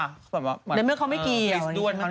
ก็แบบว่าแบบว่า